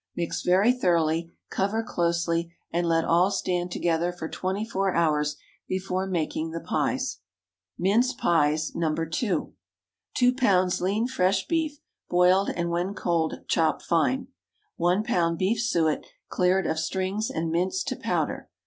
Mix very thoroughly, cover closely, and let all stand together for twenty four hours before making the pies. MINCE PIES (No. 2.) ✠ 2 lbs. lean fresh beef, boiled, and when cold, chopped fine. 1 lb. beef suet, cleared of strings and minced to powder.